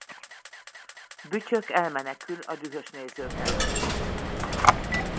Bütyök elmenekül a dühös nézők elől.